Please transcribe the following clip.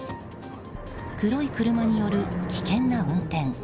黒い車による危険な運転